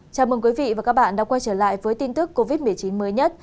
chào mừng quý vị và các bạn đã quay trở lại với tin tức covid một mươi chín mới nhất